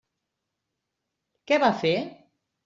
Què va fer?